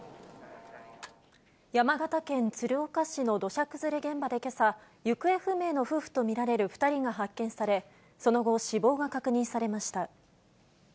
山形県鶴岡市の土砂崩れ現場でけさ、行方不明の夫婦と見られる２人が発見され、その後、死亡が確認されました。